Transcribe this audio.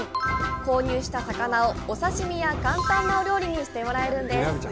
購入した魚をお刺身や、簡単なお料理にしてもらえるんです。